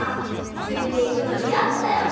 ついていくのでやっとやわ。